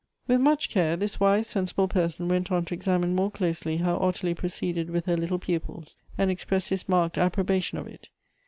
With much care, this wise, sensible person went on to examine more closely how Ottilie proceeded with her little pupils, and expressed his marked approbation of it.